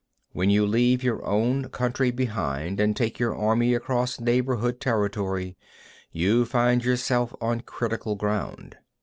43. When you leave your own country behind, and take your army across neighbourhood territory, you find yourself on critical ground.